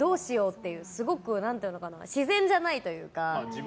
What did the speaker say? すごく自然じゃないというか。